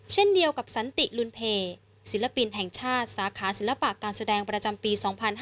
เช่นเดียวกับสันติลุนเพศิลปินแห่งชาติสาขาศิลปะการแสดงประจำปี๒๕๕๙